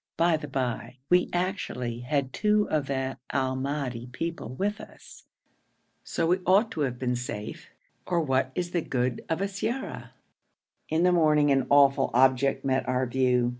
By the bye, we actually had two of the Al Madi people with us, so we ought to have been safe; or what is the good of siyara? In the morning an awful object met our view.